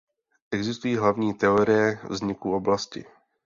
Existují hlavní teorie vzniku oblasti.